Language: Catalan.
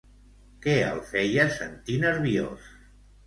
Què el feia sentir nerviós?